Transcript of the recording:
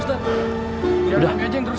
ustaz sudah bisa pak ustaz